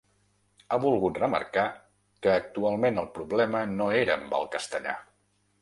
Ha volgut remarcar que actualment el ‘problema’ no era amb el castellà.